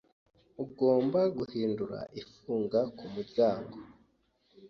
Ugomba guhindura ifunga kumuryango.